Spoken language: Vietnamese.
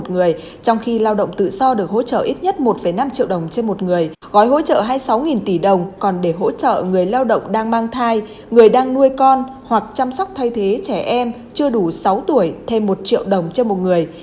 gói hỗ trợ hai mươi sáu tỷ đồng còn để hỗ trợ người lao động đang mang thai người đang nuôi con hoặc chăm sóc thay thế trẻ em chưa đủ sáu tuổi thêm một triệu đồng cho một người